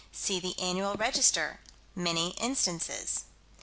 See the Annual Register many instances.